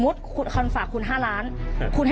ดีกว่า